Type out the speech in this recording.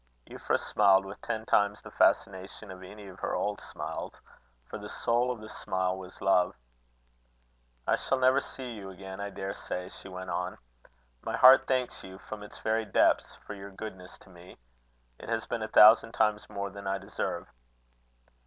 Euphra smiled with ten times the fascination of any of her old smiles; for the soul of the smile was love. "I shall never see you again, I daresay," she went on. "My heart thanks you, from its very depths, for your goodness to me. It has been a thousand times more than I deserve."